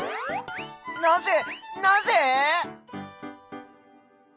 なぜなぜ！？